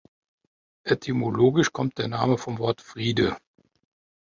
Etymologisch kommt der Name vom Wort Friede.